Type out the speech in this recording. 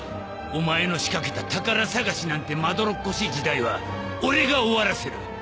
お前の仕掛けた宝探しなんてまどろっこしい時代は俺が終わらせる。